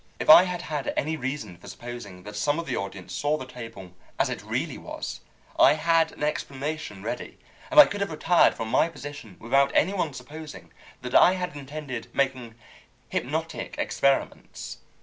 If I had had any reason for supposing that some of the audience saw the table as it really was, I had an explanation ready, and I could have retired from my position without any one supposing that I had intended making hypnotic experiments.